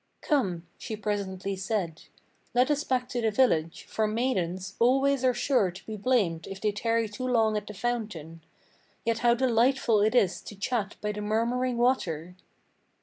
"Come," she presently said, "Let us back to the village; for maidens Always are sure to be blamed if they tarry too long at the fountain. Yet how delightful it is to chat by the murmuring water!"